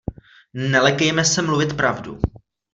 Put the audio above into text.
Nelekejme se mluvit pravdu.